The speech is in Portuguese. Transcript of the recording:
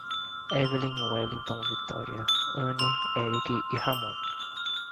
Évelyn, Welliton, Victória, Anne, Eric e Ramom